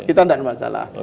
kita enggak ada masalah